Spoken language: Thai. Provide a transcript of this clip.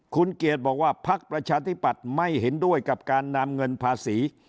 คุณเกียรติบอกว่าพักประชาธิปัตย์ไม่เห็นด้วยกับการนำเงินภาษี